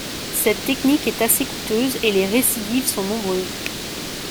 Cette technique est assez coûteuse et les récidives sont nombreuses.